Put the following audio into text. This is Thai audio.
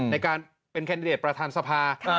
ในการเป็นแคนดิเดตประธานสภา